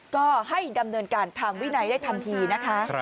ก็ให้ดำเนินการทางวินัยได้ทันทีนะคะ